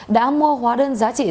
đã mua hóa đơn giá trị gia tài